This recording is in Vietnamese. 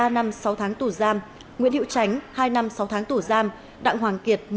ba năm sáu tháng tù giam nguyễn hữu tránh hai năm sáu tháng tù giam đặng hoàng kiệt